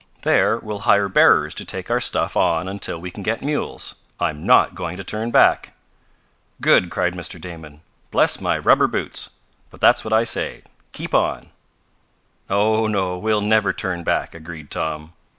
There we'll hire bearers to take our stuff on until we can get mules. I'm not going to turn back!" "Good!" cried Mr. Damon. "Bless my rubber boots! but that's what I say keep on!" "Oh, no! we'll never turn back," agreed Tom.